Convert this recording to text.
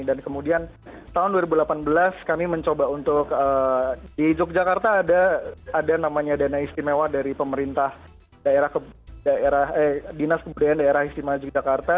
dan kemudian tahun dua ribu delapan belas kami mencoba untuk di yogyakarta ada namanya dana istimewa dari pemerintah dinas kebudayaan daerah istimewa yogyakarta